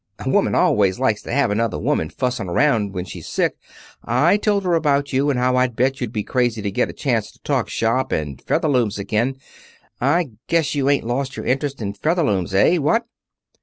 A woman always likes to have another woman fussin' around when she's sick. I told her about you, and how I'd bet you'd be crazy to get a chance to talk shop and Featherlooms again. I guess you ain't lost your interest in Featherlooms, eh, what?"